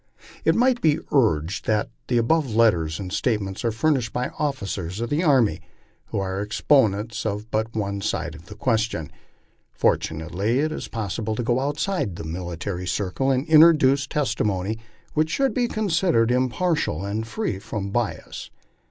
It might be urged that the above letters and statements are furnished by officers of the army, who are exponents of but one side of the question. Fortu nately it is possible to go outside the military circle and introduce testimony which should be considered impartial and fi ee from bias.